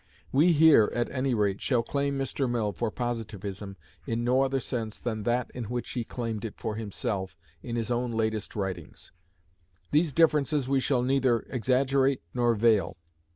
We here, at any rate, shall claim Mr. Mill for Positivism in no other sense than that in which he claimed it for himself in his own latest writings. These differences we shall neither exaggerate nor veil.